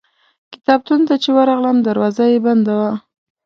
کتابتون ته چې ورغلم دروازه یې بنده وه.